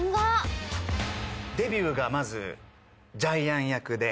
デビューがまずジャイアン役で。